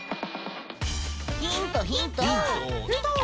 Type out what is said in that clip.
ヒントヒント！